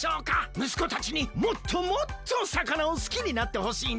むすこたちにもっともっと魚を好きになってほしいんです。